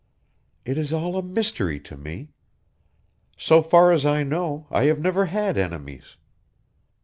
It is all a mystery to me. So far as I know I have never had enemies.